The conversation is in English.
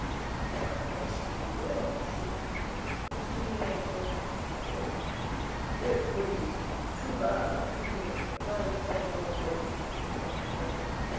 "I must be going soon," he answered; "but it would be too bad to take offence at the old lady's first touch of temper.